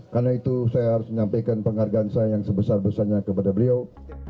karena itu saya harus menyampaikan penghargaan saya yang sebesar besarnya kepada beliau